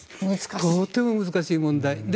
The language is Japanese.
とても難しい問題。